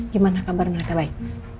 gimana kabar mereka baik